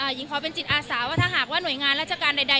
หญิงขอเป็นจิตอาสาว่าถ้าหากว่าหน่วยงานราชการใด